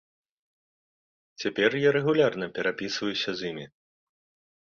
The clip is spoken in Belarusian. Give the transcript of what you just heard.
Цяпер я рэгулярна перапісваюся з імі.